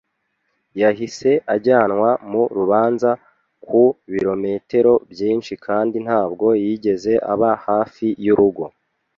yahise ajyanwa mu rubanza ku bilometero byinshi kandi ntabwo yigeze aba hafi y'urugo